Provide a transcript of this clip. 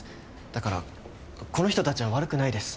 だからこの人たちは悪くないです。